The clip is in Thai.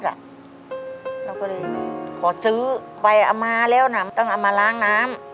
เราก็เลยขอซื้อไปเอามาแล้วหนำต้องเอามาล้างน้ำ